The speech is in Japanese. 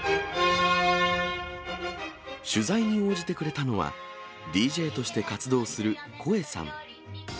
取材に応じてくれたのは、ＤＪとして活動する声さん。